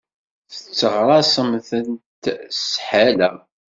Tetteɣraṣemt s shala.